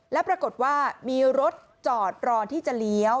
แล้วปรากฏว่ามีรถจอดรอที่จะเลี้ยว